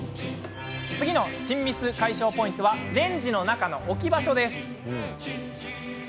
次のチンミス解消ポイントはレンジの中の置き場所。